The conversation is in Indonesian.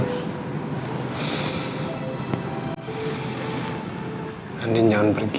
nanti jangan pergi